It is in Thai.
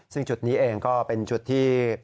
ซึ่งจุดนี้เองก็เป็นจุดที่